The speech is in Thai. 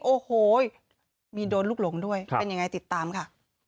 โอ้โหมีโดนลูกหลงด้วยเป็นยังไงติดตามค่ะ